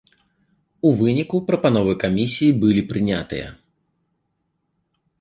У выніку прапановы камісіі былі прынятыя.